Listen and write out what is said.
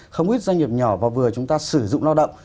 không ít doanh nghiệp nhỏ và vừa chúng ta sử dụng lao động